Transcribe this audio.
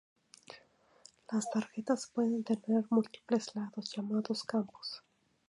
Las tarjetas pueden tener múltiples "lados", llamados campos.